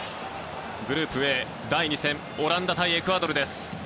グループＡの第２戦オランダ対エクアドルです。